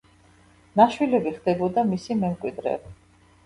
ნაშვილები ხდებოდა მისი მემკვიდრე.